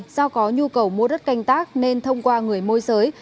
do có nhu cầu mua đất canh tác nên thông qua người môi giới